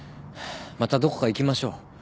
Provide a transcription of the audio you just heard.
またどこか行きましょう。